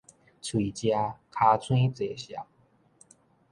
喙食，尻川坐數